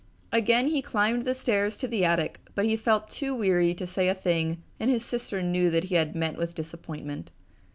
Again he climbed the stairs to the attic but he felt too weary to say a thing and his sister knew that he had met with disappointment.